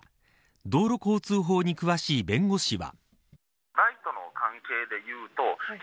道路交通法に詳しい弁護士は。